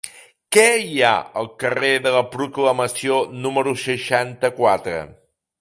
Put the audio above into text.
Què hi ha al carrer de la Proclamació número seixanta-quatre?